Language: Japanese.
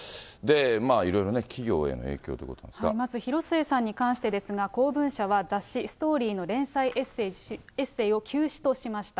まあいろいろね、まず広末さんに関してですが、光文社は、雑誌、ストーリーの連載エッセイを休止としました。